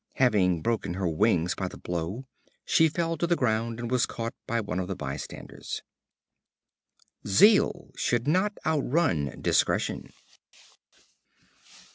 Having broken her wings by the blow, she fell to the ground, and was caught by one of the bystanders. Zeal should not outrun discretion.